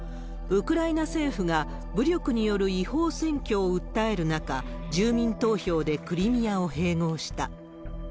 ウクライナ政府が武力による違法占拠を訴える中、住民投票でクリミアを併合した。